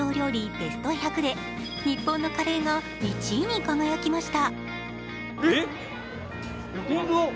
ベスト１００で日本のカレーが１位に輝きました。